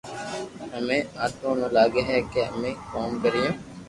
ھمي ايمون ني لاگي ھي ڪي امي ڪوم ڪريو